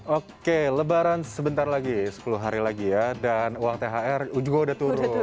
oke lebaran sebentar lagi sepuluh hari lagi ya dan uang thr juga udah turun